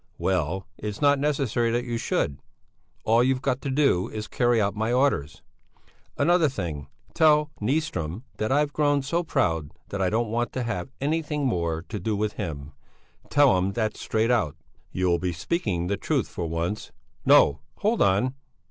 "Well, it's not necessary that you should; all you've got to do is to carry out my orders. Another thing tell Nyström that I've grown so proud that I don't want to have anything more to do with him. Tell him that straight out; you'll be speaking the truth for once! No! Hold on!